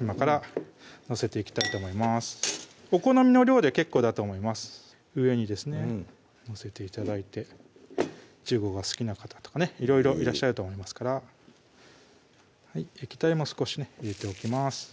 今から載せていきたいと思いますお好みの量で結構だと思います上にですね載せて頂いていちごが好きな方とかいろいろいらっしゃると思いますから液体も少しね入れておきます